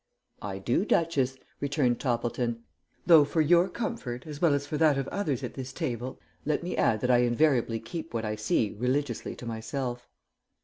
"I do, Duchess," returned Toppleton. "Though for your comfort as well as for that of others at this table, let me add that I invariably keep what I see religiously to myself."